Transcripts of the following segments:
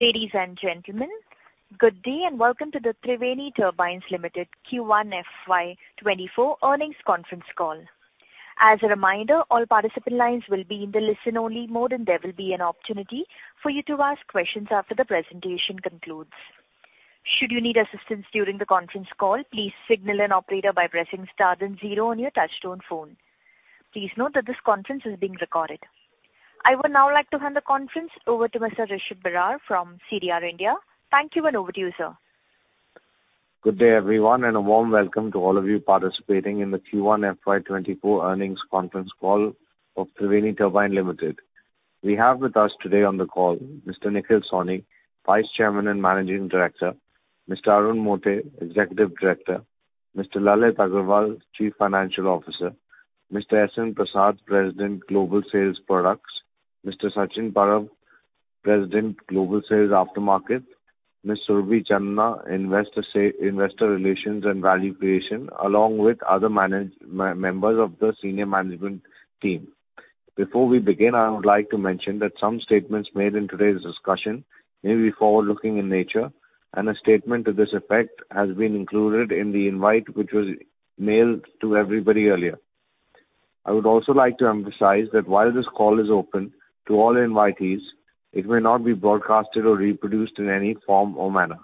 Ladies and gentlemen, good day, and welcome to the Triveni Turbine Limited Q1 FY 2024 Earnings Conference Call. As a reminder, all participant lines will be in the listen-only mode, and there will be an opportunity for you to ask questions after the presentation concludes. Should you need assistance during the conference call, please signal an operator by pressing star then zero on your touchtone phone. Please note that this conference is being recorded. I would now like to hand the conference over to Mr. Rishab Barar from CDR India. Thank you, and over to you, sir. Good day, everyone, and a warm welcome to all of you participating in the Q1 FY 2024 earnings conference call of Triveni Turbine Limited. We have with us today on the call Mr. Nikhil Sawhney, Vice Chairman and Managing Director; Mr. Arun Mote, Executive Director; Mr. Lalit Agarwal, Chief Financial Officer; Mr. S.N. Prasad, President, Global Sales Products; Mr. Sachin Parab, President, Global Sales Aftermarket; Ms. Surabhi Chandna, Investor Relations and Value Creation, along with other members of the senior management team. Before we begin, I would like to mention that some statements made in today's discussion may be forward-looking in nature, and a statement to this effect has been included in the invite, which was mailed to everybody earlier. I would also like to emphasize that while this call is open to all invitees, it may not be broadcasted or reproduced in any form or manner.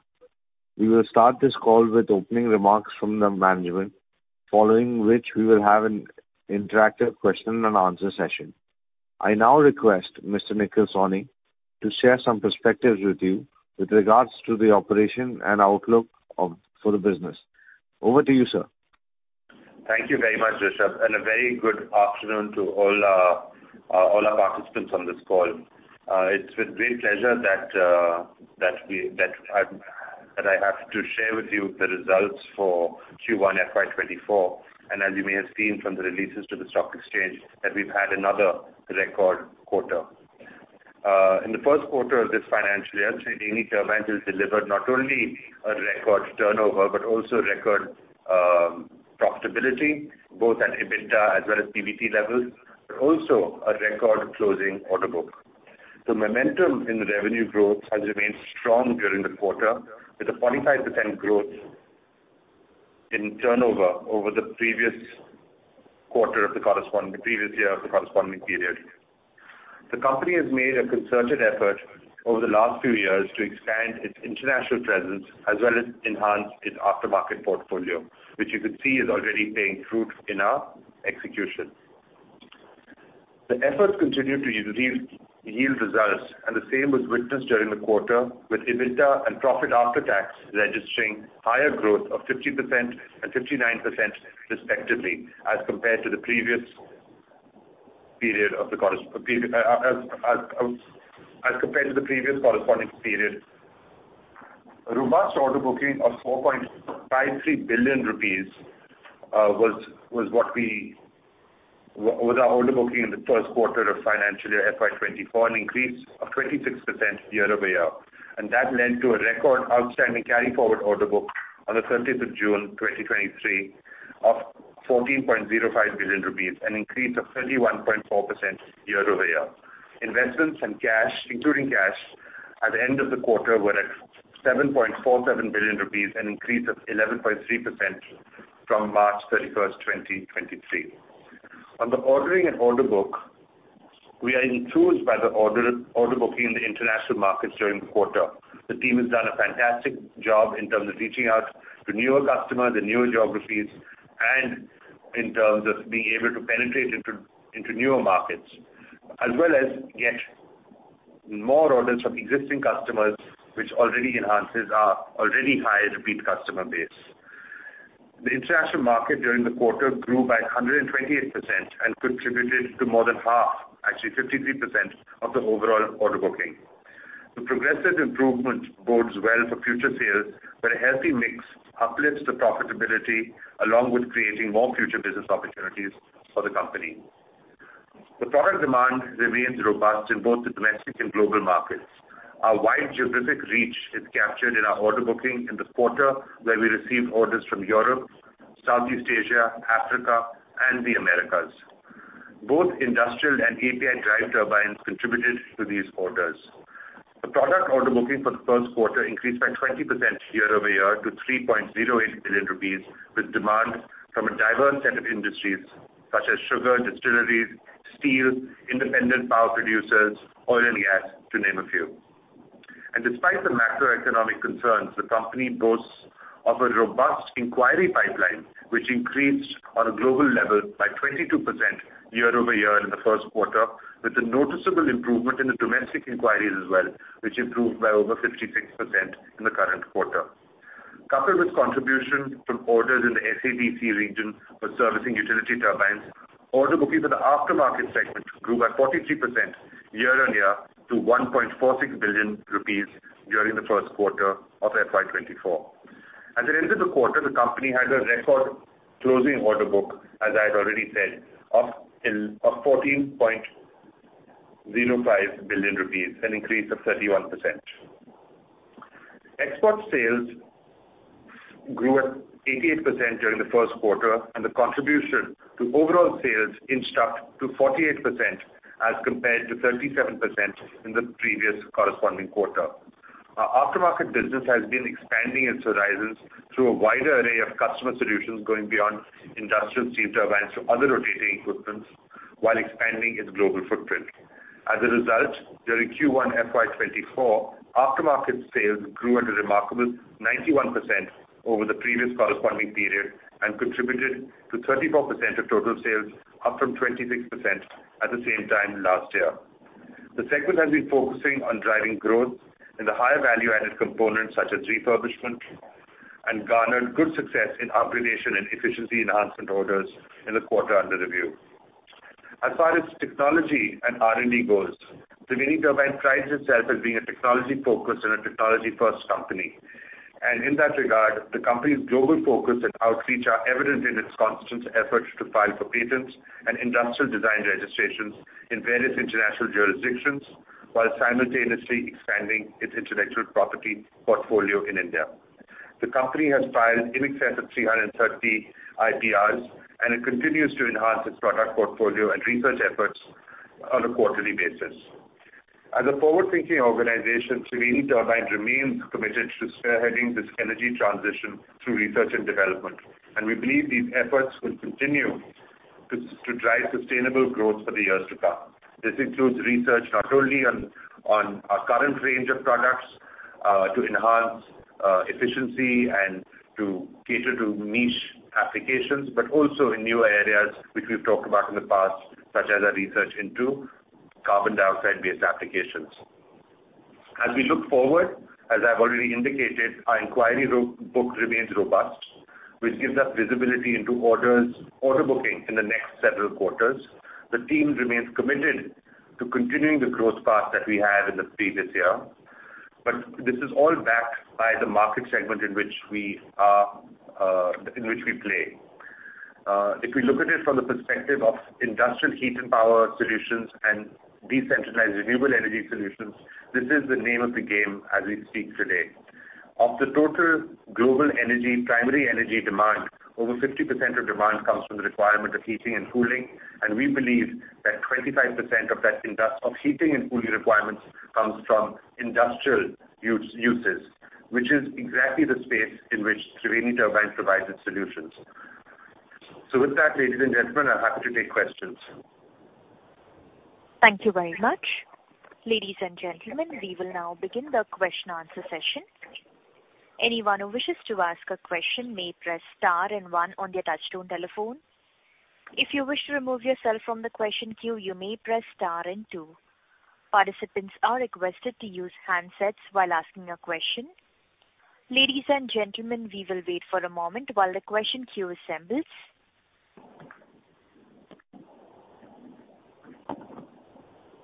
We will start this call with opening remarks from the management, following which we will have an interactive question and answer session. I now request Mr. Nikhil Sawhney to share some perspectives with you with regards to the operation and outlook for the business. Over to you, sir. Thank you very much, Rishab, and a very good afternoon to all our participants on this call. It's with great pleasure that I have to share with you the results for Q1 FY 2024. And as you may have seen from the releases to the Stock Exchange, we've had another record quarter. In the Q1 of this financial year, Triveni Turbines has delivered not only a record turnover, but also record profitability, both at EBITDA as well as PBT levels, but also a record closing order book. The momentum in the revenue growth has remained strong during the quarter, with a 25% growth in turnover over the previous year of the corresponding period. The Company has made a concerted effort over the last few years to expand its international presence, as well as enhance its aftermarket portfolio, which you can see is already paying fruit in our execution. The efforts continue to yield results, and the same was witnessed during the quarter, with EBITDA and profit after tax registering higher growth of 50% and 59%, respectively, as compared to the previous corresponding period. A robust order booking of 4.53 billion rupees was our order booking in the first quarter of financial year FY 2024, an increase of 26% year-over-year. That led to a record outstanding carry-forward order book on the 30th of June, 2023, of 14.05 billion rupees, an increase of 31.4% year-over-year. Investments and cash, including cash, at the end of the quarter, were at 7.47 billion rupees, an increase of 11.3% from March 31st, 2023. On the ordering and order book, we are enthused by the order, order booking in the international markets during the quarter. The team has done a fantastic job in terms of reaching out to newer customers and newer geographies, and in terms of being able to penetrate into, into newer markets, as well as get more orders from existing customers, which already enhances our already high repeat customer base. The international market during the quarter grew by 128% and contributed to more than half, actually 53%, of the overall order booking. The progressive improvement bodes well for future sales, but a healthy mix uplifts the profitability along with creating more future business opportunities for the Company. The product demand remains robust in both the domestic and global markets. Our wide geographic reach is captured in our order booking in the quarter, where we received orders from Europe, Southeast Asia, Africa, and the Americas. Both industrial and API drive turbines contributed to these orders. The product order booking for the first quarter increased by 20% year-over-year to 3.08 billion rupees, with demand from a diverse set of industries such as sugar, distilleries, steel, independent power producers, oil and gas, to name a few. Despite the macroeconomic concerns, the company boasts of a robust inquiry pipeline, which increased on a global level by 22% year-over-year in the first quarter, with a noticeable improvement in the domestic inquiries as well, which improved by over 56% in the current quarter. Coupled with contribution from orders in the SADC region for servicing utility turbines, order booking for the aftermarket segment grew by 43% year-on-year to 1.46 billion rupees during the first quarter of FY 2024. At the end of the quarter, the company had a record closing order book, as I had already said, of 14.05 billion rupees, an increase of 31%. Export sales grew at 88% during the first quarter, and the contribution to overall sales increased to 48%, as compared to 37% in the previous corresponding quarter. Our aftermarket business has been expanding its horizons through a wider array of customer solutions, going beyond industrial steam turbines to other rotating equipment, while expanding its global footprint. As a result, during Q1 FY 2024, aftermarket sales grew at a remarkable 91% over the previous corresponding period and contributed to 34% of total sales, up from 26% at the same time last year. The segment has been focusing on driving growth in the higher value-added components, such as refurbishment, and garnered good success in upgradation and efficiency enhancement orders in the quarter under review. As far as technology and R&D goes, Triveni Turbine prides itself as being a technology-focused and a technology-first company. In that regard, the Company's global focus and outreach are evident in its constant efforts to file for patents and industrial design registrations in various international jurisdictions, while simultaneously expanding its intellectual property portfolio in India. The company has filed in excess of 330 IPRs, and it continues to enhance its product portfolio and research efforts on a quarterly basis. As a forward-thinking organization, Triveni Turbine remains committed to spearheading this energy transition through research and development, and we believe these efforts will continue to drive sustainable growth for the years to come. This includes research not only on our current range of products, to enhance efficiency and to cater to niche applications, but also in new areas which we've talked about in the past, such as our research into carbon dioxide based applications. As we look forward, as I've already indicated, our inquiry book remains robust, which gives us visibility into orders, order booking in the next several quarters. The team remains committed to continuing the growth path that we had in the previous year, but this is all backed by the market segment in which we are, in which we play. If we look at it from the perspective of industrial heat and power solutions and decentralized renewable energy solutions, this is the name of the game as we speak today. Of the total global energy, primary energy demand, over 50% of demand comes from the requirement of heating and cooling, and we believe that 25% of that industrial of heating and cooling requirements comes from industrial uses, which is exactly the space in which Triveni Turbine provides its solutions. With that, ladies and gentlemen, I'm happy to take questions. Thank you very much. Ladies and gentlemen, we will now begin the question-answer session. Anyone who wishes to ask a question may press star and one on their touchtone telephone. If you wish to remove yourself from the question queue, you may press star and two. Participants are requested to use handsets while asking a question. Ladies and gentlemen, we will wait for a moment while the question queue assembles.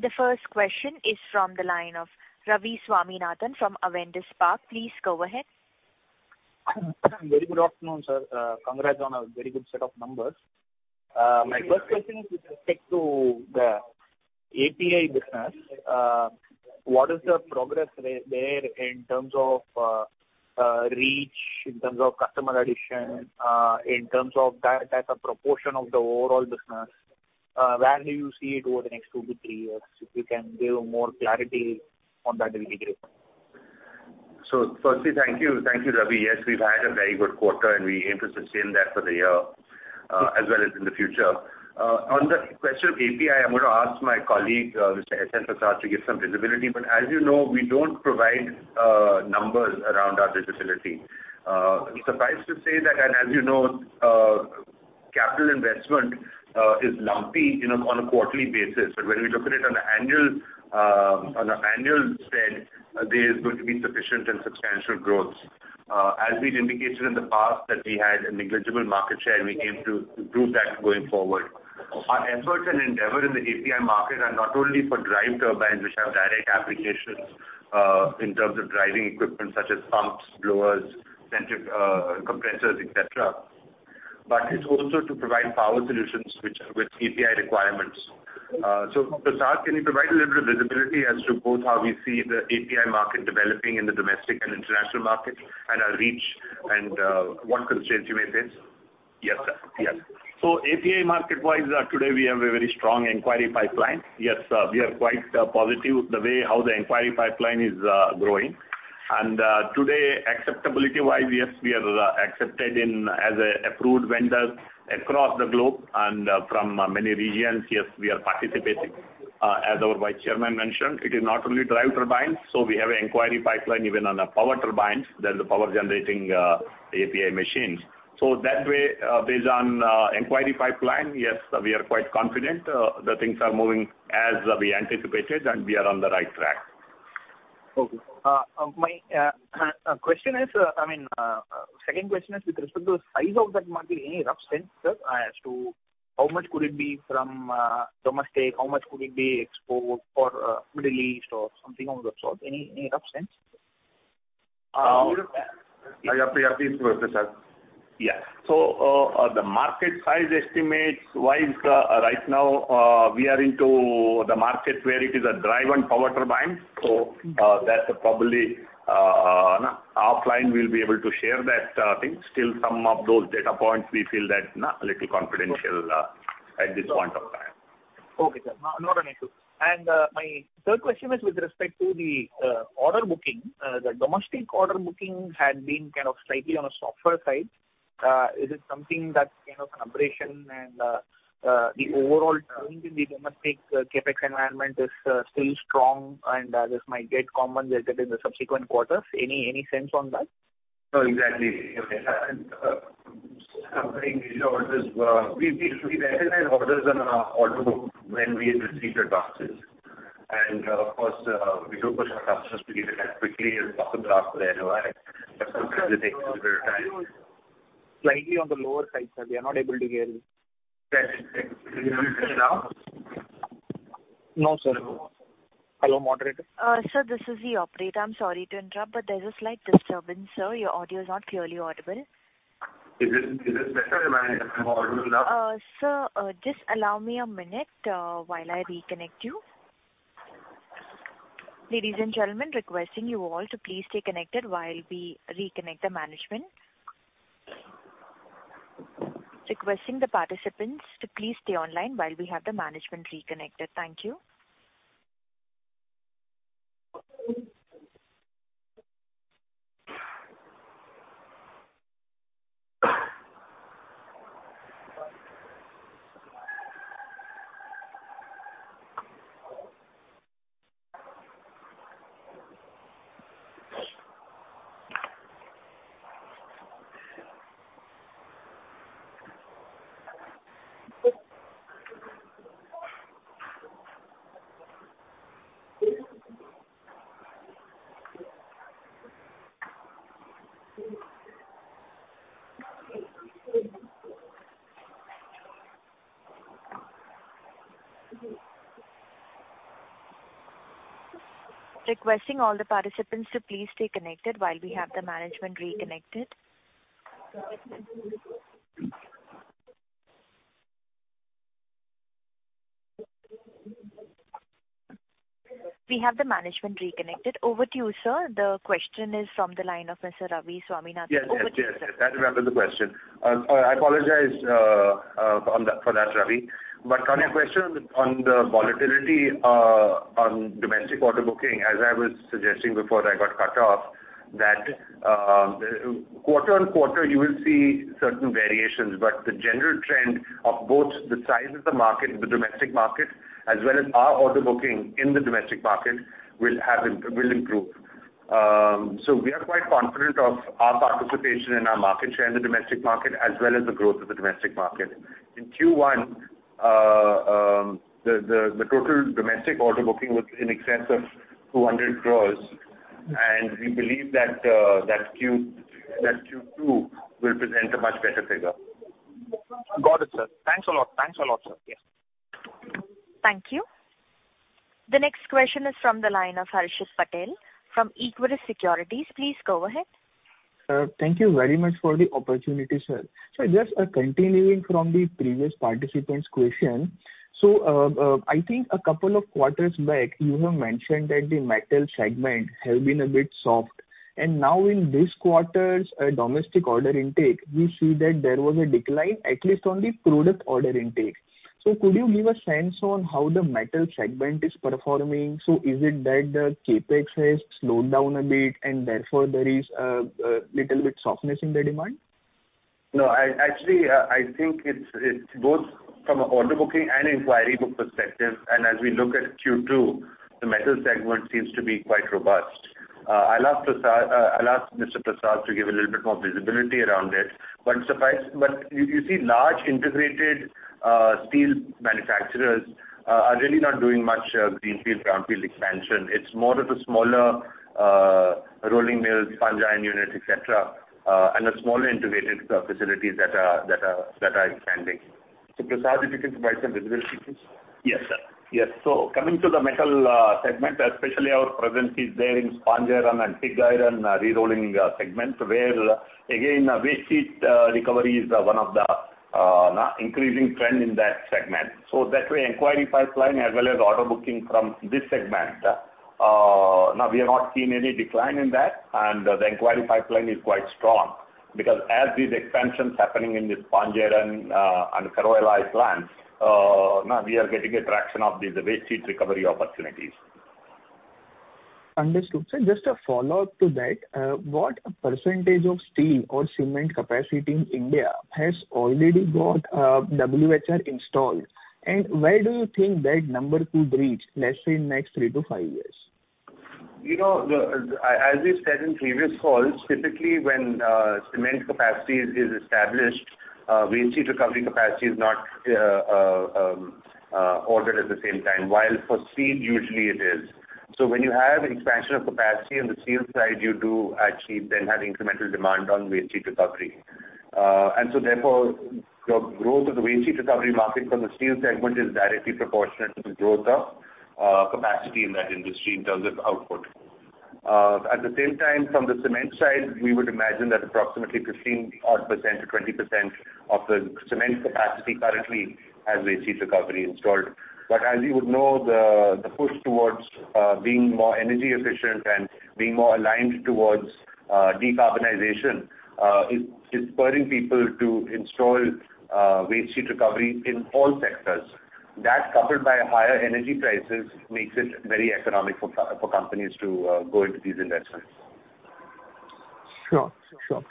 The first question is from the line of Ravi Swaminathan from Avendus Spark. Please go ahead. Very good afternoon, sir. Congrats on a very good set of numbers. My first question is with respect to the API business. What is the progress there in terms of reach, in terms of customer addition, in terms of that as a proportion of the overall business? Where do you see it over the next two to three years? If you can give more clarity on that, it'll be great. Firstly, thank you. Thank you, Ravi. Yes, we've had a very good quarter, and we aim to sustain that for the year, as well as in the future. On the question of API, I'm going to ask my colleague, Mr. S.N. Prasad, to give some visibility. But as you know, we don't provide, numbers around our visibility. Suffice to say that, and as you know, capital investment, is lumpy in a, on a quarterly basis. But when we look at it on an annual, on an annual spend, there is going to be sufficient and substantial growth. As we'd indicated in the past, that we had a negligible market share, and we aim to, to prove that going forward. Our efforts and endeavor in the API market are not only for drive turbines, which have direct applications, in terms of driving equipment such as pumps, blowers, centrifugal, compressors, et cetera, but it's also to provide power solutions which, with API requirements. So, Prasad, can you provide a little bit of visibility as to both how we see the API market developing in the domestic and international market, and our reach and, what constraints you may face? Yes, sir. Yes. So API market-wise, today we have a very strong inquiry pipeline. Yes, we are quite positive the way how the inquiry pipeline is growing. And, today, acceptability-wise, yes, we are accepted in as a approved vendor across the globe and from many regions. Yes, we are participating. As our Vice Chairman mentioned, it is not only drive turbines, so we have an inquiry pipeline even on the Power turbines, then the power generating API machines. So that way, based on inquiry pipeline, yes, we are quite confident that things are moving as we anticipated, and we are on the right track. Okay. My question is, I mean, second question is with respect to the size of that market. Any rough sense, sir, as to how much could it be from, domestic, how much could it be export or, Middle East or something of that sort? Any rough sense? Yeah, please go ahead, Prasad. Yes. So, the market size estimates wise, right now, we are into the market where it is a Drive and Power turbine. That's probably offline, we'll be able to share that thing. Still, some of those data points, we feel that, nah, a little confidential at this point of time. Okay, sir. No, no worry too. And my third question is with respect to the order booking. The domestic order booking had been kind of slightly on a softer side. Is it something that's kind of an aberration and the overall trend in the domestic CapEx environment is still strong, and this might get common later in the subsequent quarters? Any sense on that? No, exactly. And some orders we recognize on our order book when we receive the advances. Of course, we do push our customers to give it as quickly as possible after the LOI, but it takes a little bit of time. Slightly on the lower side, sir. We are not able to hear you. Yes. Can you hear me now? No, sir. Hello, moderator? Sir, this is the operator. I'm sorry to interrupt, but there's a slight disturbance, sir. Your audio is not clearly audible. Is it better if I... Audio now? Sir, just allow me a minute while I reconnect you. Ladies and gentlemen, requesting you all to please stay connected while we reconnect the management. Requesting the participants to please stay online while we have the management reconnected. Thank you. Requesting all the participants to please stay connected while we have the management reconnected. We have the management reconnected. Over to you, sir. The question is from the line of Mr. Ravi Swaminathan. Yes, yes, yes, I remember the question. I apologize for that, Ravi. But on your question on the volatility on domestic order booking, as I was suggesting before I got cut off, that quarter on quarter, you will see certain variations, but the general trend of both the size of the market, the domestic market, as well as our order booking in the domestic market, will improve. So we are quite confident of our participation and our market share in the domestic market, as well as the growth of the domestic market. In Q1, the total domestic order booking was in excess of 200 crore, and we believe that Q2 will present a much better figure. Got it, sir. Thanks a lot. Thanks a lot, sir. Yes. Thank you. The next question is from the line of Harshit Patel from Equirus Securities. Please go ahead. Sir, thank you very much for the opportunity, sir. So just, continuing from the previous participant's question. So, I think a couple of quarters back, you have mentioned that the metal segment has been a bit soft, and now in this quarter's, domestic order intake, we see that there was a decline, at least on the product order intake. So could you give a sense on how the metal segment is performing? So is it that the CapEx has slowed down a bit and therefore there is, a little bit softness in the demand? No, I actually, I think it's both from an order booking and inquiry book perspective, and as we look at Q2, the metal segment seems to be quite robust. I'll ask Mr. Prasad to give a little bit more visibility around it. You see large integrated steel manufacturers are really not doing much greenfield, brownfield expansion. It's more of smaller rolling mills, sponge iron units, et cetera, and smaller integrated facilities that are expanding. Mr. Prasad, if you could provide some visibility, please. Yes, sir. Yes. So coming to the metal segment, especially our presence is there in sponge iron and pig iron, re-rolling segment, where, again, waste heat recovery is one of the increasing trend in that segment. So that way, inquiry pipeline as well as order booking from this segment, now we have not seen any decline in that, and the inquiry pipeline is quite strong. Because as these expansions happening in the sponge iron and ferroalloy plants, now we are getting a traction of these waste heat recovery opportunities. Understood. Sir, just a follow-up to that, what percentage of steel or cement capacity in India has already got WHR installed? And where do you think that number could reach, let's say, in next three to five years? You know, as we said in previous calls, typically, when cement capacity is established, waste heat recovery capacity is not ordered at the same time, while for steel, usually it is. So when you have expansion of capacity on the steel side, you do actually then have incremental demand on waste heat recovery. And so therefore, the growth of the waste heat recovery market from the steel segment is directly proportionate to the growth of capacity in that industry in terms of output. At the same time, from the cement side, we would imagine that approximately 15% odd to 20% of the cement capacity currently has waste heat recovery installed. But as you would know, the push towards being more energy efficient and being more aligned towards decarbonization is spurring people to install waste heat recovery in all sectors. That, coupled by higher energy prices, makes it very economic for companies to go into these investments. Sure, sure.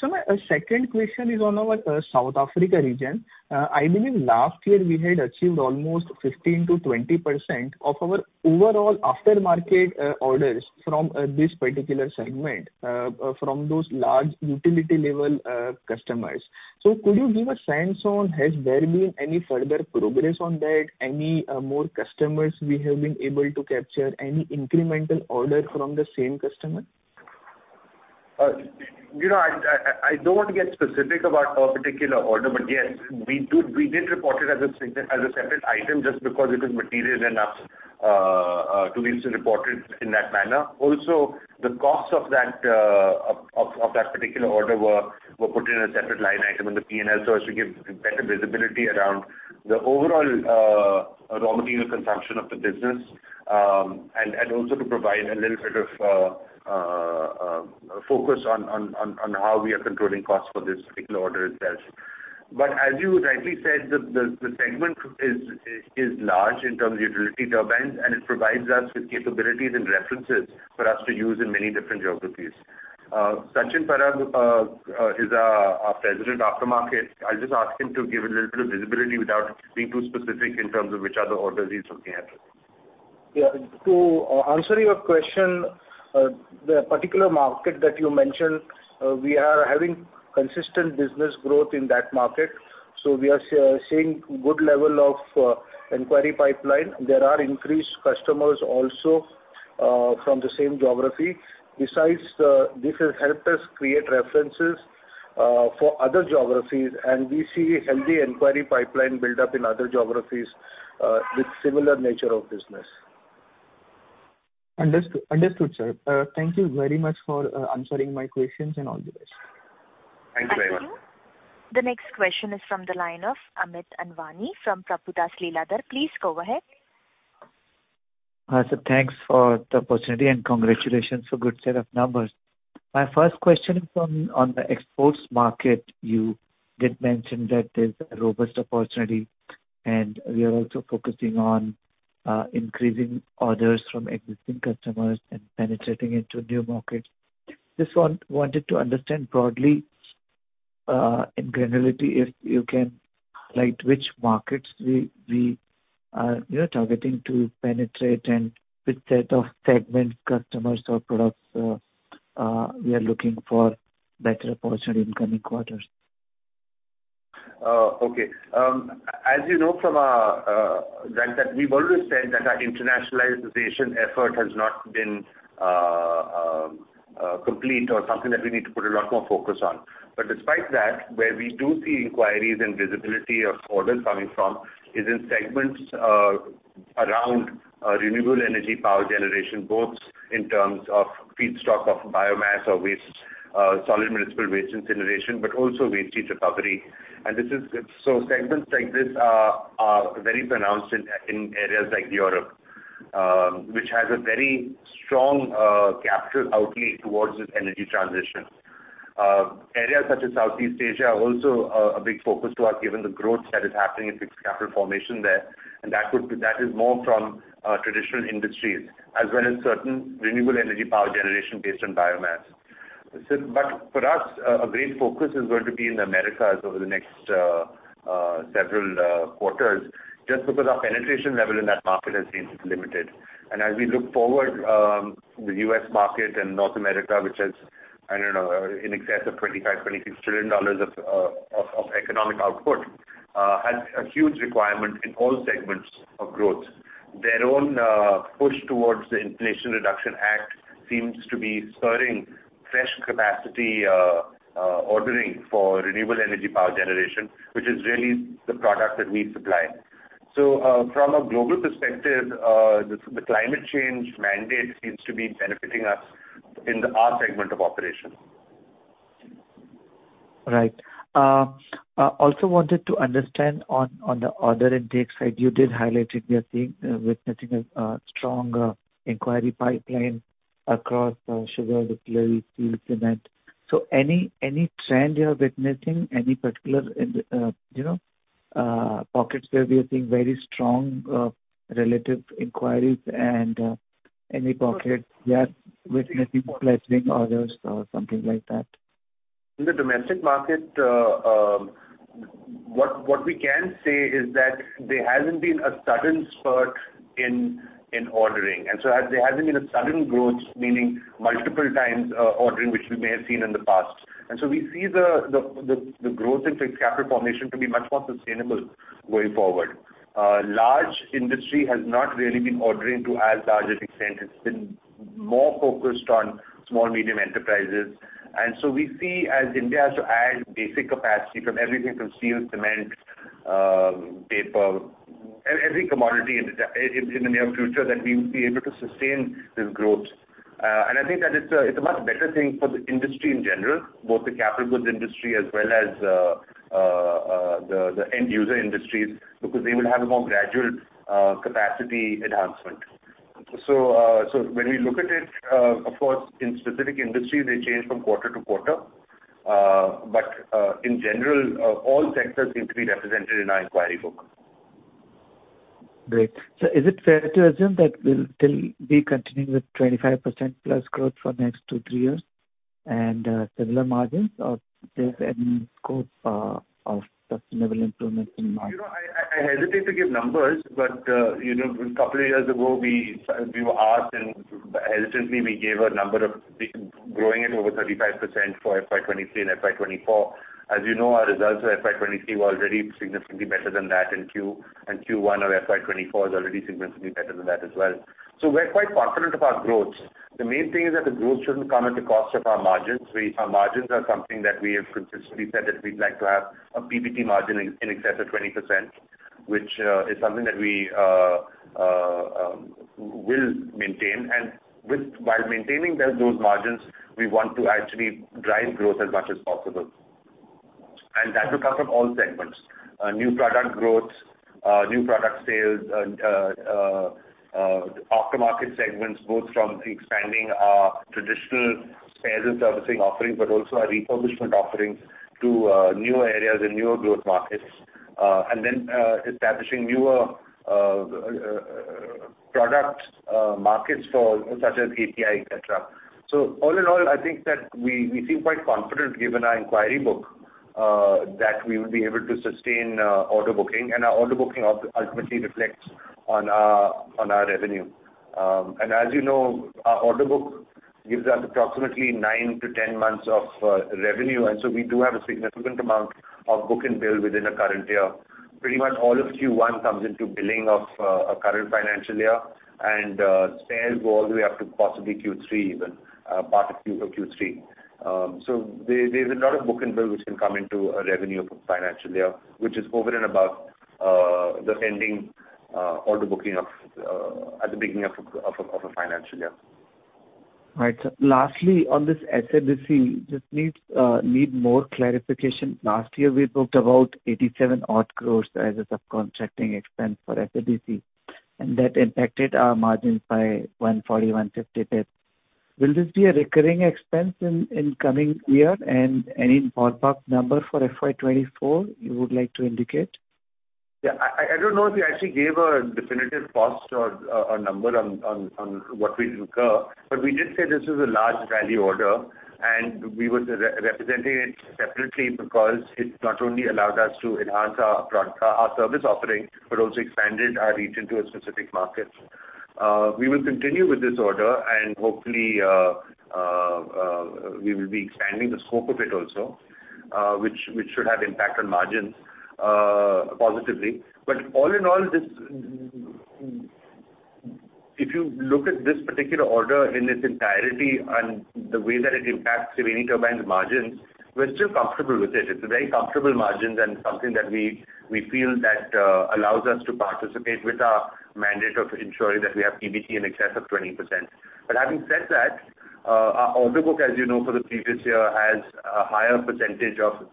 So my second question is on our South Africa region. I believe last year we had achieved almost 15%-20% of our overall aftermarket orders from this particular segment from those large utility level customers. So could you give a sense on, has there been any further progress on that? Any more customers we have been able to capture, any incremental order from the same customer? You know, I don't want to get specific about a particular order, but yes, we did report it as a segment, as a separate item, just because it was material enough to be reported in that manner. Also, the costs of that, of that particular order were put in a separate line item in the P&L, so as to give better visibility around the overall raw material consumption of the business, and also to provide a little bit of focus on how we are controlling costs for this particular order itself. As you rightly said, the segment is large in terms of utility turbines, and it provides us with capabilities and references for us to use in many different geographies. Sachin Parab is our President, Aftermarket. I'll just ask him to give a little bit of visibility without being too specific in terms of which are the orders he's looking at. Yeah. To answer your question, the particular market that you mentioned, we are having consistent business growth in that market, so we are seeing good level of inquiry pipeline. There are increased customers also, from the same geography. Besides, this has helped us create references, for other geographies, and we see a healthy inquiry pipeline build up in other geographies, with similar nature of business. Understood. Understood, sir. Thank you very much for answering my questions, and all the best. Thank you very much. Thank you. The next question is from the line of Amit Anwani from Prabhudas Lilladher. Please go ahead. So thanks for the opportunity, and congratulations for good set of numbers. My first question is on the exports market. You did mention that there's a robust opportunity, and you are also focusing on increasing orders from existing customers and penetrating into new markets. Just want, wanted to understand broadly, in granularity, if you can highlight which markets we are targeting to penetrate, and which set of segment customers or products we are looking for better opportunity in coming quarters? Okay. As you know, from our, that we've always said that our internationalization effort has not been complete or something that we need to put a lot more focus on. Despite that, where we do see inquiries and visibility of orders coming from is in segments around renewable energy power generation, both in terms of feedstock of biomass or waste, solid municipal waste incineration, but also waste heat recovery. Segments like this are very pronounced in areas like Europe, which has a very strong capital outlay towards this energy transition. Areas such as Southeast Asia are also a big focus to us, given the growth that is happening in fixed capital formation there, and that would be, that is more from traditional industries, as well as certain renewable energy power generation based on biomass. So, but for us, a great focus is going to be in the Americas over the next several quarters, just because our penetration level in that market has been limited. And as we look forward, the US market and North America, which has, I don't know, in excess of $25-$26 trillion of economic output, has a huge requirement in all segments of growth. Their own push towards the Inflation Reduction Act seems to be spurring fresh capacity ordering for renewable energy power generation, which is really the product that we supply. So, from a global perspective, the climate change mandate seems to be benefiting us in our segment of operation. Right. I also wanted to understand on the order intake side, you did highlight that you are seeing, witnessing a strong inquiry pipeline across sugar, utility, steel, cement. So any trend you are witnessing, any particular you know pockets where we are seeing very strong relative inquiries and any pockets we are witnessing pleasing orders or something like that? In the domestic market, what we can say is that there hasn't been a sudden spurt in ordering, and so there hasn't been a sudden growth, meaning multiple times ordering, which we may have seen in the past. And so we see the growth in fixed capital formation to be much more sustainable going forward. Large industry has not really been ordering to as large an extent. It's been more focused on small, medium enterprises. And so we see, as India has to add basic capacity from everything from steel, cement, paper, every commodity in the near future, that we will be able to sustain this growth. I think that it's a much better thing for the industry in general, both the capital goods industry as well as the end user industries, because they will have a more gradual capacity enhancement. When we look at it, of course, in specific industries, they change from quarter to quarter. In general, all sectors seem to be represented in our inquiry book. Great. So is it fair to assume that we'll still be continuing with 25% plus growth for next two, three years and similar margins, or is there any scope of sustainable improvement in margin? You know, I hesitate to give numbers, but you know, a couple of years ago, we were asked, and hesitantly, we gave a number of growing at over 35% for FY 2023 and FY 2024. As you know, our results for FY 2023 were already significantly better than that, and Q1 of FY 2024 is already significantly better than that as well. So we're quite confident of our growth. The main thing is that the growth shouldn't come at the cost of our margins. Our margins are something that we have consistently said that we'd like to have a PBT margin in excess of 20%, which is something that we will maintain. And by maintaining those margins, we want to actually drive growth as much as possible. That will come from all segments. New product growth, new product sales, and aftermarket segments, both from expanding our traditional spares and servicing offerings, but also our refurbishment offerings to newer areas and newer growth markets, and then establishing newer product markets for, such as API, et cetera. All in all, I think that we feel quite confident, given our inquiry book, that we will be able to sustain order booking, and our order booking ultimately reflects on our revenue. As you know, our order book gives us approximately 9-10 months of revenue, and so we do have a significant amount of book and build within a current year. Pretty much all of Q1 comes into billing of a current financial year, and sales go all the way up to possibly Q3, even part of Q4, Q3. So there, there's a lot of book and build which can come into a revenue of a financial year, which is over and above the ending order booking of at the beginning of a financial year. Right. Lastly, on this SADC, just need more clarification. Last year, we booked about 87 odd crore as a subcontracting expense for SADC, and that impacted our margins by 140-150 basis points. Will this be a recurring expense in the coming year? Any ballpark number for FY 2024 you would like to indicate? Yeah, I don't know if we actually gave a definitive cost or a number on what we'd incur, but we did say this is a large value order, and we were representing it separately because it not only allowed us to enhance our product, our service offering, but also expanded our reach into a specific market. We will continue with this order, and hopefully, we will be expanding the scope of it also, which should have impact on margins, positively. But all in all, this, if you look at this particular order in its entirety and the way that it impacts Triveni Turbine's margins, we're still comfortable with it. It's a very comfortable margin and something that we feel that allows us to participate with our mandate of ensuring that we have PBT in excess of 20%. But having said that, our order book, as you know, for the previous year, has a higher percentage of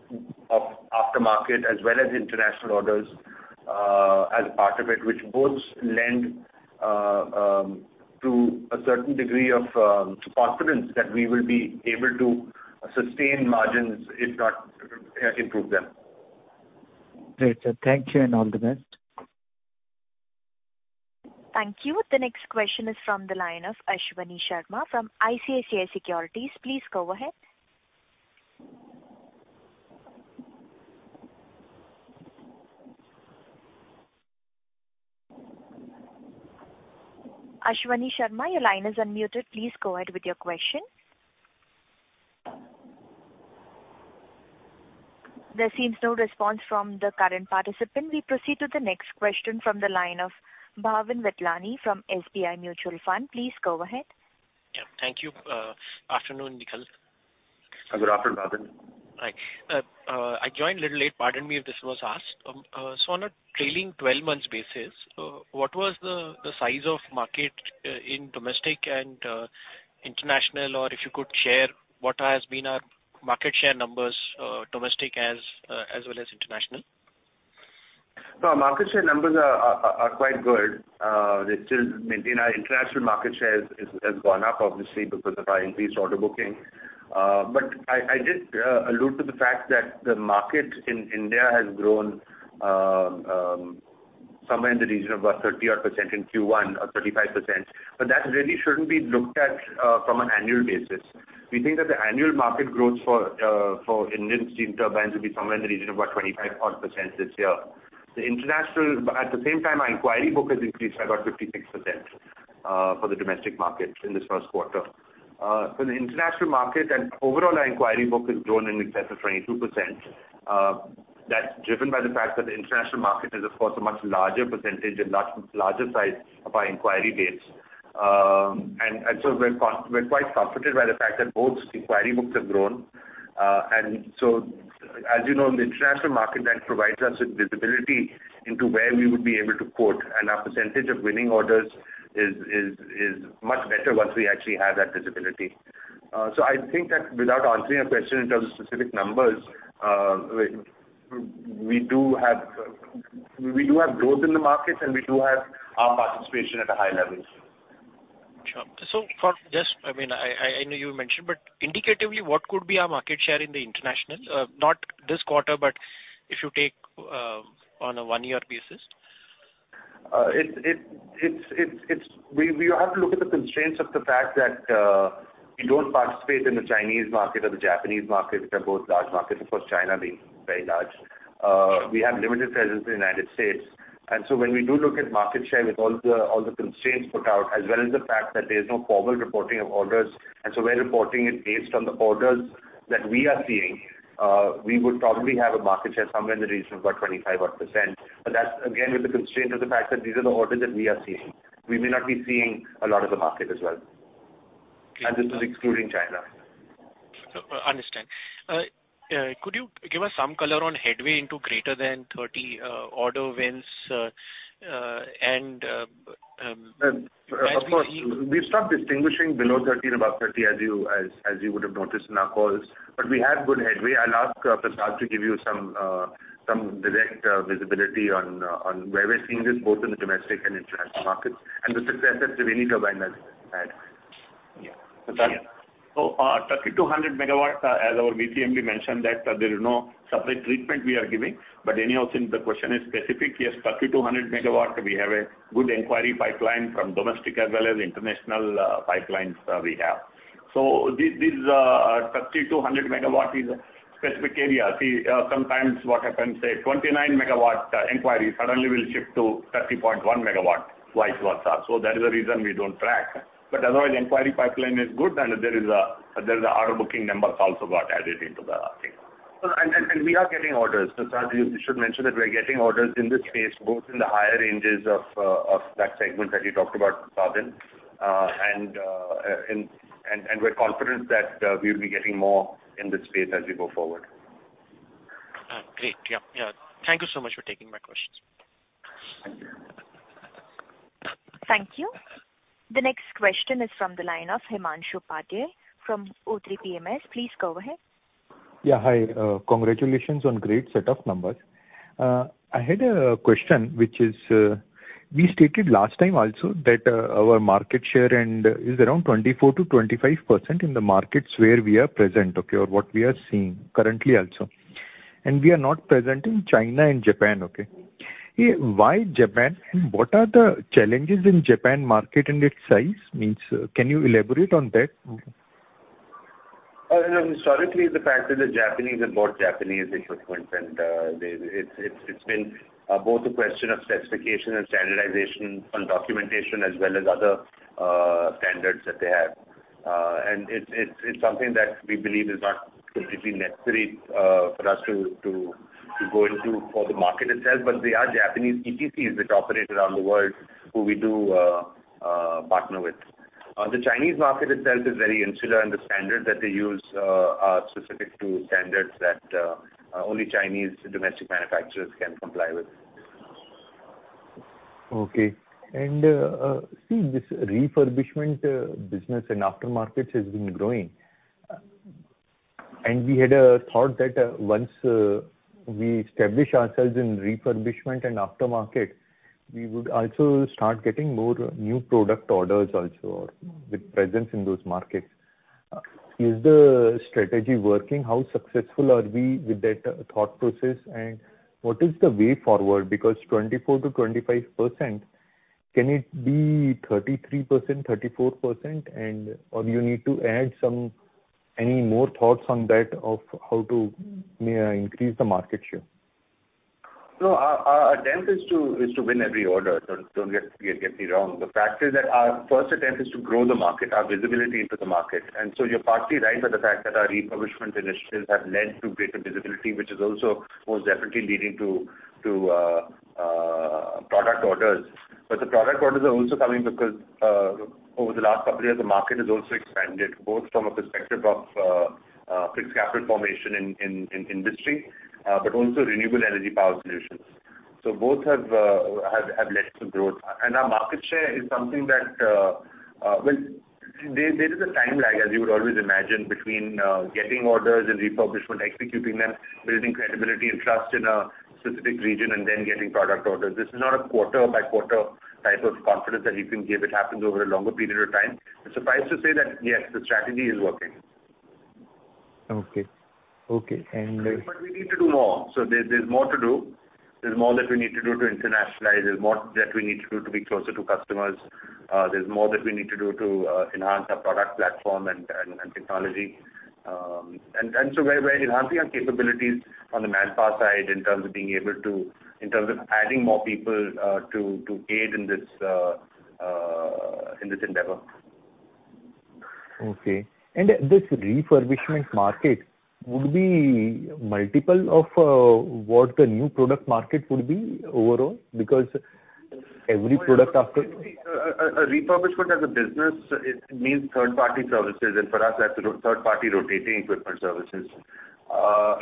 aftermarket as well as international orders as part of it, which both lend to a certain degree of confidence that we will be able to sustain margins, if not improve them. Great, sir. Thank you, and all the best. Thank you. The next question is from the line of Ashwani Sharma from ICICI Securities. Please go ahead. Ashwani Sharma, your line is unmuted. Please go ahead with your question. There seems no response from the current participant. We proceed to the next question from the line of Bhavin Vithlani from SBI Mutual Fund. Please go ahead. Yeah, thank you. Afternoon, Nikhil. Good afternoon, Bhavin. Hi. I joined a little late. Pardon me if this was asked. So on a trailing 12- months basis, what was the size of market in domestic and international? Or if you could share, what has been our market share numbers, domestic as well as international? Our market share numbers are quite good. They still maintain our international market share has gone up, obviously, because of our increased order booking. But I just allude to the fact that the market in India has grown somewhere in the region of about 30% odd in Q1, or 35%. But that really shouldn't be looked at from an annual basis. We think that the annual market growth for Indian steam turbines will be somewhere in the region of about 25-odd% this year. But at the same time, our inquiry book has increased by about 56% for the domestic market in this first quarter. For the international market and overall, our inquiry book has grown in excess of 22%. That's driven by the fact that the international market is, of course, a much larger percentage and much larger size of our inquiry base. And so we're quite comforted by the fact that both inquiry books have grown. And so, as you know, the international market then provides us with visibility into where we would be able to quote, and our percentage of winning orders is much better once we actually have that visibility. So I think that without answering your question in terms of specific numbers, we do have growth in the markets, and we do have our participation at a high level. Sure. So for just, I mean, I know you mentioned, but indicatively, what could be our market share in the international? Not this quarter, but if you take, on a one-year basis. It, it's, it's-- we have to look at the constraints of the fact that we don't participate in the Chinese market or the Japanese market. They're both large markets, of course, China being very large. We have limited presence in the United States. When we do look at market share, with all the constraints put out, as well as the fact that there's no formal reporting of orders, and so we're reporting it based on the orders that we are seeing, we would probably have a market share somewhere in the region of about 25% odd. That's, again, with the constraint of the fact that these are the orders that we are seeing. We may not be seeing a lot of the market as well. Clear. This is excluding China. Understand. Could you give us some color on headway into greater than 30 order wins, and as we see- Of course, we've stopped distinguishing below 30 and above 30, as you would have noticed in our calls, but we have good headway. I'll ask Prasad to give you some direct visibility on where we're seeing this, both in the domestic and international markets, and the success that Triveni Turbine has had. Yeah. So, 30-100 MW, as our VCMD mentioned, that there is no separate treatment we are giving. But anyhow, since the question is specific, yes, 30-100 MW, we have a good inquiry pipeline from domestic as well as international pipelines we have. So these, these 30-100 MW is a specific area. See, sometimes what happens, say, 29 MW inquiry suddenly will shift to 30.1 MW, vice versa. So that is the reason we don't track. But otherwise, inquiry pipeline is good, and there is a, there is order booking numbers also got added into the thing. We are getting orders. Prasad, you should mention that we're getting orders in this space, both in the higher ranges of that segment that you talked about, Bhavin. We're confident that we will be getting more in this space as we go forward. Great. Yeah, yeah. Thank you so much for taking my questions. Thank you. The next question is from the line of Himanshu Upadhyay from O3 PMS. Please go ahead. Yeah, hi. Congratulations on great set of numbers. I had a question, which is, we stated last time also that, our market share and is around 24%-25% in the markets where we are present, okay, or what we are seeing currently also. And we are not present in China and Japan, okay? Why Japan, and what are the challenges in Japan market and its size? Means, can you elaborate on that? Historically, the fact is that Japanese have bought Japanese instruments, and it's been both a question of specification and standardization on documentation, as well as other standards that they have. And it's something that we believe is not completely necessary for us to go into for the market itself. But there are Japanese EPCs that operate around the world who we do partner with. The Chinese market itself is very insular, and the standards that they use are specific to standards that only Chinese domestic manufacturers can comply with. Okay. See, this refurbishment business and aftermarket has been growing. We had a thought that, once we establish ourselves in refurbishment and aftermarket, we would also start getting more new product orders also, or with presence in those markets. Is the strategy working? How successful are we with that thought process, and what is the way forward? Because 24%-25%, can it be 33%, 34%, and-- or you need to add some... Any more thoughts on that, of how to increase the market share? No, our attempt is to win every order. Don't get me wrong. The fact is that our first attempt is to grow the market, our visibility into the market. And so you're partly right about the fact that our refurbishment initiatives have led to greater visibility, which is also most definitely leading to product orders. But the product orders are also coming because over the last couple of years, the market has also expanded, both from a perspective of fixed capital formation in industry, but also renewable energy power solutions. So both have led to growth. Our market share is something that, well, there, there is a time lag, as you would always imagine, between, getting orders and refurbishment, executing them, building credibility and trust in a specific region, and then getting product orders. This is not a quarter-by-quarter type of confidence that you can give. It happens over a longer period of time. Suffice to say that, yes, the strategy is working. Okay. Okay, and But we need to do more. So there, there's more to do. There's more that we need to do to internationalize. There's more that we need to do to be closer to customers. There's more that we need to do to enhance our product platform and technology. And so we're enhancing our capabilities on the manpower side in terms of adding more people to aid in this endeavor. Okay. And this refurbishment market would be multiple of what the new product market would be overall? Because- ... Every product aftermarket, a refurbishment as a business, it means third-party services, and for us, that's third-party rotating equipment services.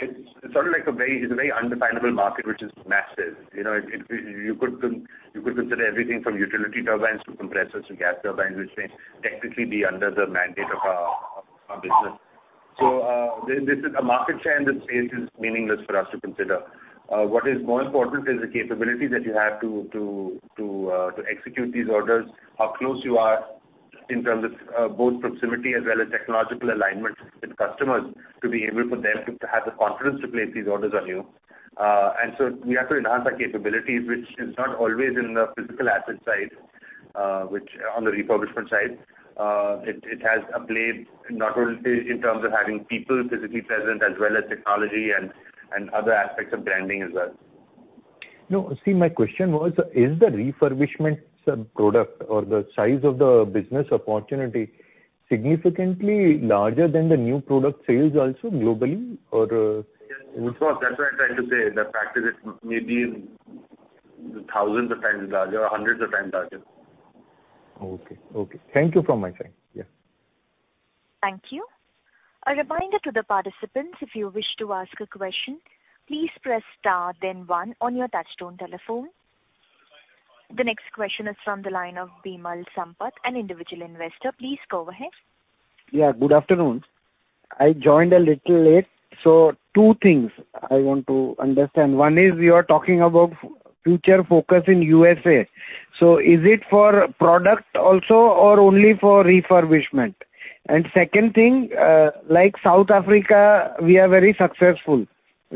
It's sort of like a very undefinable market, which is massive. You know, you could consider everything from utility turbines to compressors to gas turbines, which may technically be under the mandate of our business. So, this is a market share in this space is meaningless for us to consider. What is more important is the capability that you have to execute these orders, how close you are in terms of both proximity as well as technological alignment with customers, to be able for them to have the confidence to place these orders on you. And so we have to enhance our capabilities, which is not always in the physical asset side, which on the refurbishment side, it has a play not only in terms of having people physically present, as well as technology and other aspects of branding as well. No, see, my question was, is the refurbishment product or the size of the business opportunity significantly larger than the new product sales also globally, or? Of course, that's what I'm trying to say. The practice is maybe thousands of times larger or hundreds of times larger. Okay. Okay. Thank you from my side. Yeah. Thank you. A reminder to the participants, if you wish to ask a question, please press star then one on your touchtone telephone. The next question is from the line of Bimal Sampat, an individual investor. Please go ahead. Yeah, good afternoon. I joined a little late. So two things I want to understand. One is you are talking about future focus in USA. So is it for product also or only for refurbishment? And second thing, like South Africa, we are very successful.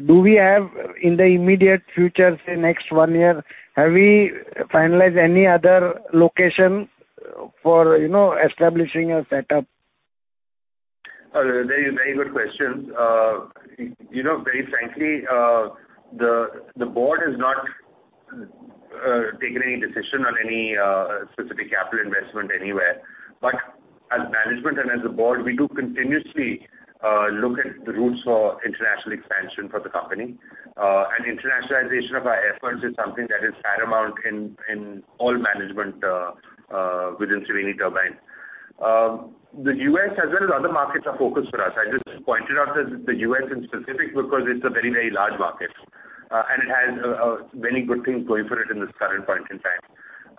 Do we have, in the immediate future, say, next one year, have we finalized any other location for, you know, establishing a setup? Very, very good question. You know, very frankly, the board has not taken any decision on any specific capital investment anywhere. But as management and as a board, we do continuously look at the routes for international expansion for the company. And internationalization of our efforts is something that is paramount in all management within Triveni Turbine. The U.S. as well as other markets are focused for us. I just pointed out that the U.S. in specific, because it's a very, very large market, and it has many good things going for it in this current point in time.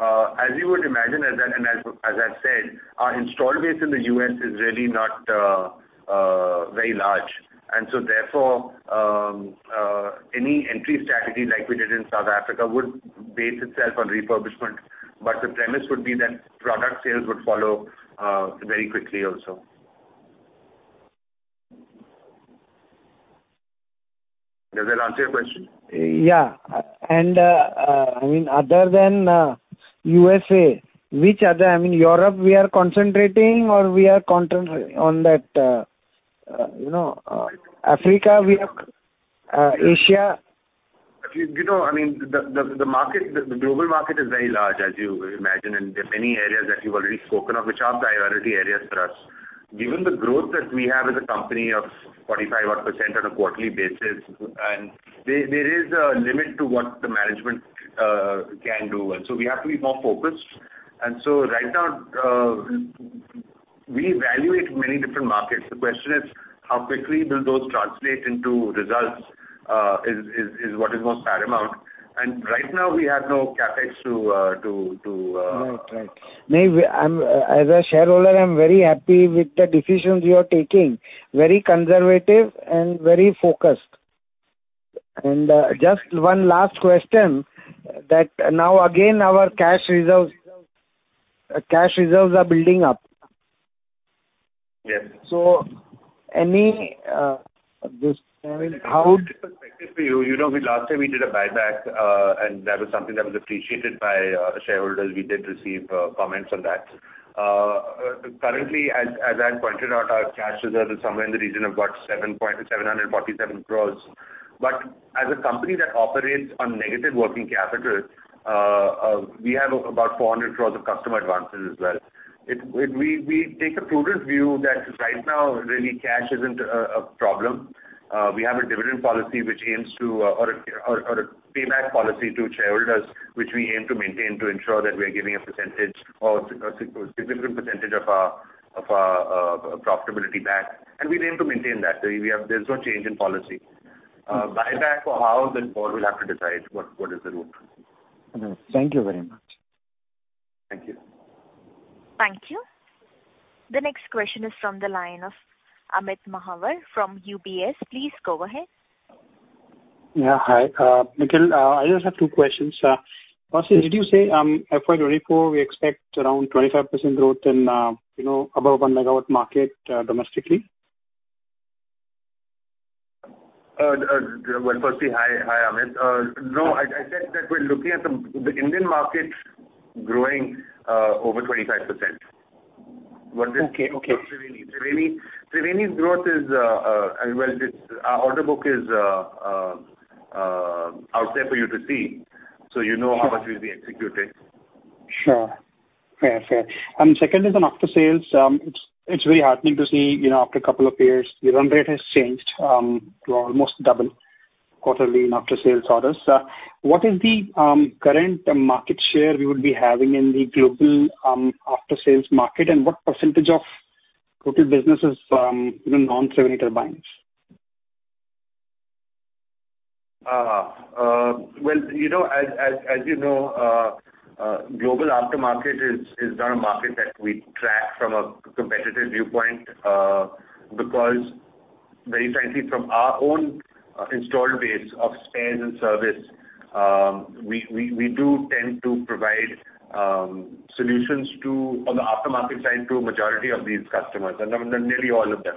As you would imagine, and as I've said, our install base in the U.S. is really not very large. And so therefore, any entry strategy like we did in South Africa would base itself on refurbishment, but the premise would be that product sales would follow, very quickly also. Does that answer your question? Yeah. And, I mean, other than USA, which other- I mean, Europe, we are concentrating or we are concentrating on that, you know, Africa, we have, Asia? You know, I mean, the market, the global market is very large, as you imagine, and there are many areas that you've already spoken of, which are the priority areas for us. Given the growth that we have as a company of 45 odd % on a quarterly basis, and there is a limit to what the management can do, and so we have to be more focused. And so right now, we evaluate many different markets. The question is, how quickly will those translate into results is what is most paramount. And right now, we have no CapEx to Right. Right. Maybe I'm, as a shareholder, I'm very happy with the decisions you are taking. Very conservative and very focused. And, just one last question, that now again, our cash reserves, cash reserves are building up. Yes. So any, just how- Perspective for you. You know, last time we did a buyback, and that was something that was appreciated by the shareholders. We did receive comments on that. Currently, as I pointed out, our cash reserve is somewhere in the region of about 747 crore. As a company that operates on negative working capital, we have about 400 crore of customer advances as well. We take a prudent view that right now, really, cash isn't a problem. We have a dividend policy which aims to, or a payback policy to shareholders, which we aim to maintain to ensure that we are giving a percentage or a significant percentage of our profitability back, and we aim to maintain that. So we have. There's no change in policy. Buyback or how, the board will have to decide what, what is the route. Thank you very much. Thank you. Thank you. The next question is from the line of Amit Mahawar from UBS. Please go ahead. Yeah, hi. Nikhil, I just have 2 questions. First, did you say, FY 2024, we expect around 25% growth in, you know, above 1 MW market, domestically? Well, firstly, hi, Amit. No, I said that we're looking at the Indian market growing over 25%. Okay, okay. Triveni, Triveni's growth is, well, it's our order book is out there for you to see, so you know how much will be executed. Sure. Fair, fair. And second is on after-sales. It's very heartening to see, you know, after a couple of years, the run rate has changed to almost double quarterly in after-sales orders. What is the current market share we would be having in the global after-sales market? And what percentage of total business is in non-Triveni turbines? Well, you know, as you know, global aftermarket is not a market that we track from a competitive viewpoint, because very frankly, from our own installed base of spares and service, we do tend to provide solutions to, on the aftermarket side, to a majority of these customers, and nearly all of them.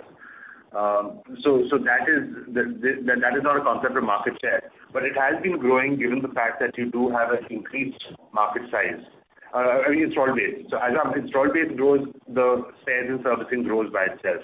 So, that is not a concept of market share, but it has been growing given the fact that you do have an increased market size, I mean, installed base. So as our installed base grows, the spares and servicing grows by itself.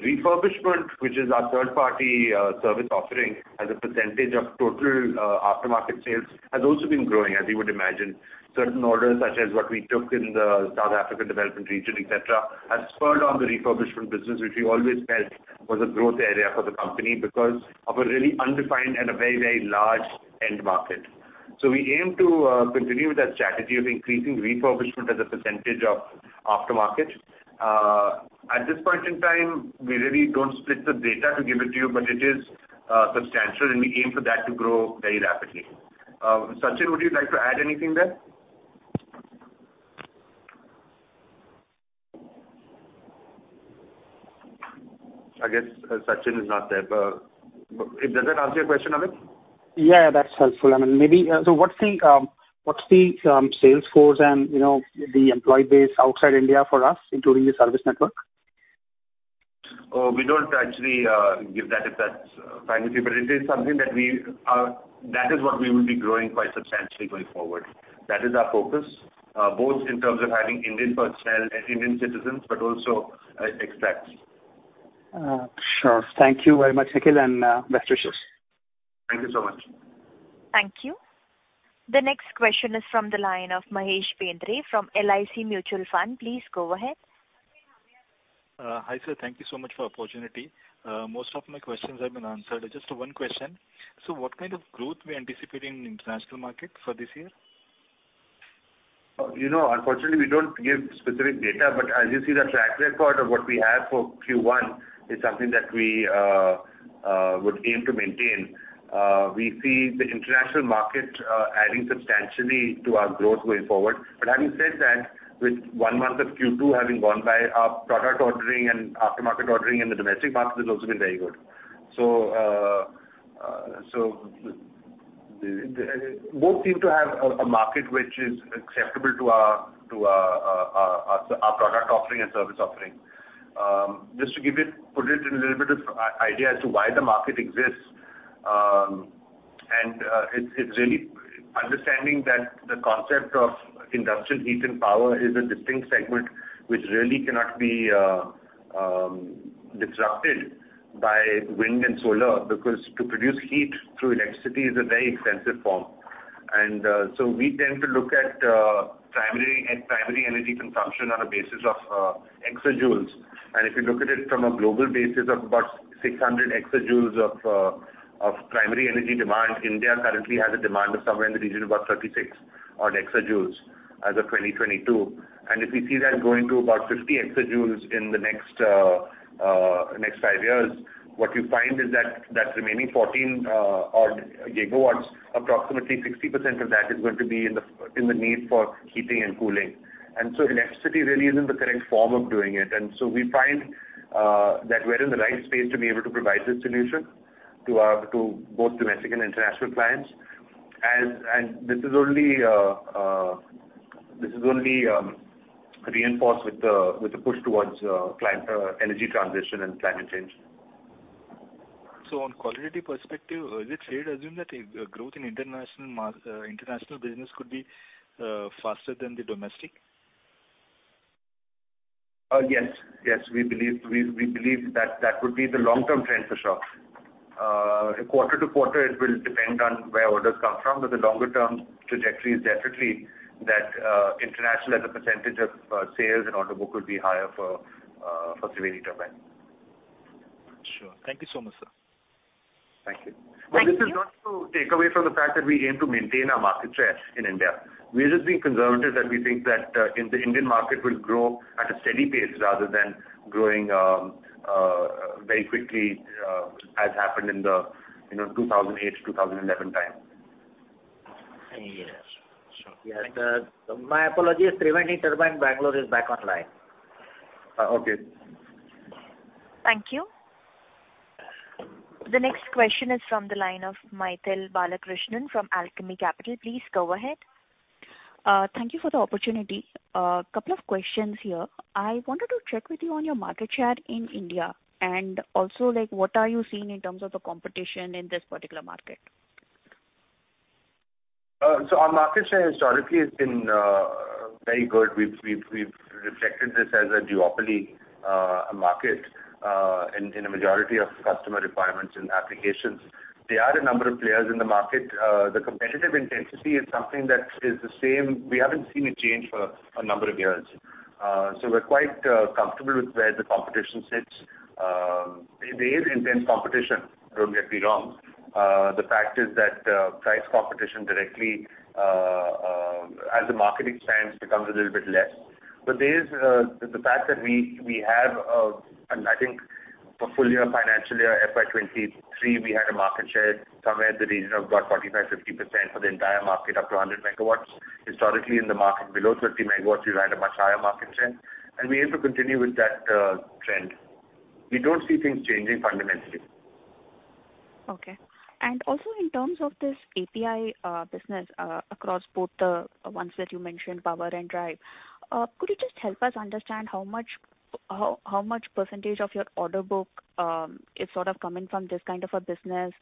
Refurbishment, which is our third-party service offering, as a percentage of total aftermarket sales, has also been growing, as you would imagine. Certain orders, such as what we took in the South African development region, et cetera, have spurred on the refurbishment business, which we always felt was a growth area for the company, because of a really undefined and a very, very large end market. We aim to continue with that strategy of increasing refurbishment as a percentage of aftermarket. At this point in time, we really don't split the data to give it to you, but it is substantial, and we aim for that to grow very rapidly. Sachin, would you like to add anything there? I guess Sachin is not there. Does that answer your question, Amit? Yeah, that's helpful. I mean, maybe, so what's the sales force and, you know, the employee base outside India for us, including the service network? We don't actually give that, if that's private, but it is something that is what we will be growing quite substantially going forward. That is our focus, both in terms of having Indian personnel and Indian citizens, but also expats. Sure. Thank you very much, Nikhil, and best wishes. Thank you so much. Thank you. The next question is from the line of Mahesh Bendre, from LIC Mutual Fund. Please go ahead. Hi, sir. Thank you so much for the opportunity. Most of my questions have been answered. Just one question: so what kind of growth we are anticipating in international market for this year? You know, unfortunately, we don't give specific data, but as you see, the track record of what we have for Q1 is something that we would aim to maintain. We see the international market adding substantially to our growth going forward. But having said that, with one month of Q2 having gone by, our product ordering and aftermarket ordering in the domestic market has also been very good. So, both seem to have a market which is acceptable to our product offering and service offering. Just to give you, put it in a little bit of idea as to why the market exists, and it's really understanding that the concept of industrial heat and power is a distinct segment, which really cannot be disrupted by wind and solar, because to produce heat through electricity is a very expensive form. So we tend to look at primary energy consumption on a basis of exajoules. If you look at it from a global basis of about 600 exajoules of primary energy demand, India currently has a demand of somewhere in the region of about 36-odd exajoules as of 2022. If we see that going to about 50 exajoules in the next five years, what you find is that that remaining 14 GW, approximately 60% of that is going to be in the need for heating and cooling. So electricity really is in the correct form of doing it. So we find that we're in the right space to be able to provide this solution to our to both domestic and international clients. And this is only reinforced with the push towards climate energy transition and climate change. So on qualitative perspective, is it fair to assume that growth in international business could be faster than the domestic? Yes. Yes, we believe, we believe that that would be the long-term trend for sure. Quarter to quarter, it will depend on where orders come from, but the longer term trajectory is definitely that international as a percentage of sales and order book will be higher for Triveni Turbine. Sure. Thank you so much, sir. Thank you. Thank you. But this is not to take away from the fact that we aim to maintain our market share in India. We're just being conservative, that we think that, in the Indian market will grow at a steady pace rather than growing, very quickly, as happened in the, you know, 2008-2011 time. Yes, sure. Yes, my apologies, Triveni Turbine Bangalore is back online. Uh, okay. Thank you. The next question is from the line of Mythili Balakrishnan from Alchemy Capital. Please go ahead. Thank you for the opportunity. Couple of questions here. I wanted to check with you on your market share in India, and also, like, what are you seeing in terms of the competition in this particular market? So our market share historically has been very good. We've treated this as a duopoly market in a majority of customer requirements and applications. There are a number of players in the market. The competitive intensity is something that is the same. We haven't seen a change for a number of years. So we're quite comfortable with where the competition sits. There is intense competition, don't get me wrong. The fact is that price competition directly as the market expands becomes a little bit less. But there is the fact that we have, I think, for full year, financial year, FY 2023, we had a market share somewhere in the region of about 45%-50% for the entire market, up to 100 MW. Historically, in the market below 30 MW, we had a much higher market share, and we aim to continue with that, trend. We don't see things changing fundamentally. Okay. And also, in terms of this API business, across both the ones that you mentioned, power and drive, could you just help us understand how much, how, how much percentage of your order book is sort of coming from this kind of a business?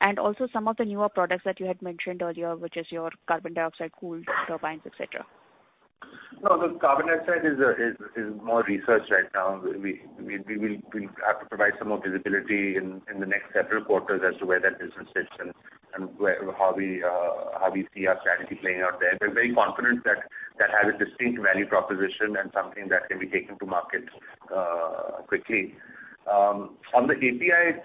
And also some of the newer products that you had mentioned earlier, which is your carbon dioxide cooled turbines, et cetera. No, the carbon dioxide is more research right now. We will have to provide some more visibility in the next several quarters as to where that business sits and how we see our strategy playing out there. We're very confident that has a distinct value proposition and something that can be taken to market quickly. On the API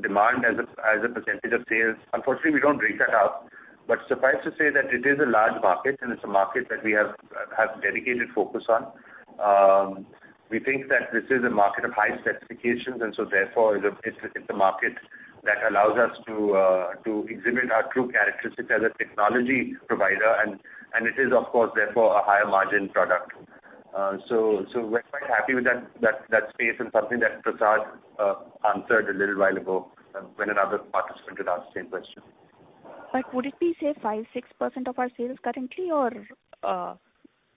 demand as a percentage of sales, unfortunately, we don't break that out. But suffice to say that it is a large market, and it's a market that we have dedicated focus on. We think that this is a market of high specifications, and so, therefore, it's a, it's a market that allows us to, to exhibit our true characteristics as a technology provider, and, and it is, of course, therefore, a higher margin product. So, so we're quite happy with that, that, that space and something that Prasad answered a little while ago when another participant had asked the same question. But would it be, say, 5%-6% of our sales currently, or,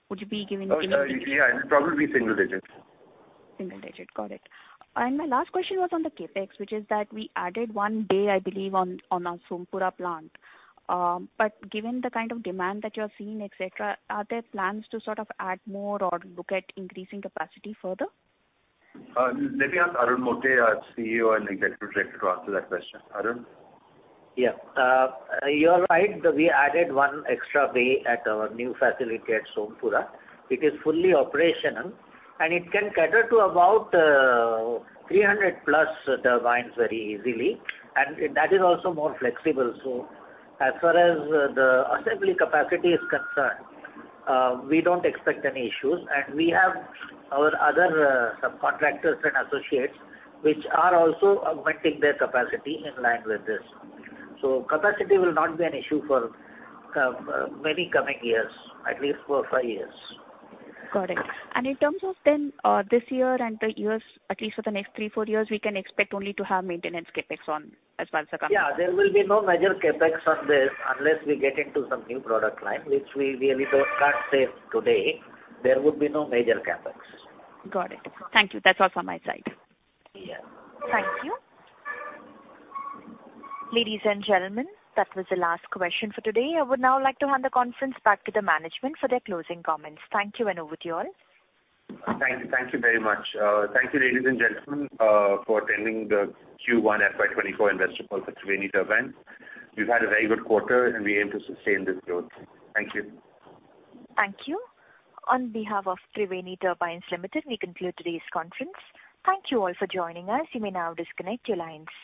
would you be giving- Yeah, it'd probably be single digit. Single digit. Got it. My last question was on the CapEx, which is that we added one bay, I believe, on our Sompura plant. Given the kind of demand that you're seeing, et cetera, are there plans to sort of add more or look at increasing capacity further? Let me ask Arun Mote, our CEO and Executive Director, to answer that question. Arun? Yeah. You are right. We added one extra bay at our new facility at Sompura. It is fully operational, and it can cater to about 300+ turbines very easily, and that is also more flexible. So as far as the assembly capacity is concerned, we don't expect any issues, and we have our other subcontractors and associates, which are also augmenting their capacity in line with this. So capacity will not be an issue for many coming years, at least four, five years. Got it. And in terms of then, this year and the years, at least for the next three, four years, we can expect only to have maintenance CapEx on as far as the company- Yeah, there will be no major CapEx on this unless we get into some new product line, which we really don't, can't say today. There would be no major CapEx. Got it. Thank you. That's all from my side. Yeah. Thank you. Ladies and gentlemen, that was the last question for today. I would now like to hand the conference back to the management for their closing comments. Thank you, and over to you all. Thank you. Thank you very much. Thank you, ladies and gentlemen, for attending the Q1 FY 2024 investor call for Triveni Turbines. We've had a very good quarter, and we aim to sustain this growth. Thank you. Thank you. On behalf of Triveni Turbine Limited, we conclude today's conference. Thank you all for joining us. You may now disconnect your lines.